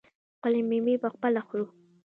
خپلې میوې پخپله خورو.